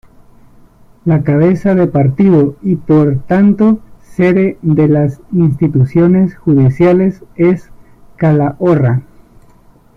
La cabeza de partido y por tanto sede de las instituciones judiciales es Calahorra.